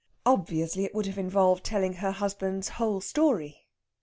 Obviously it would have involved telling her husband's whole story.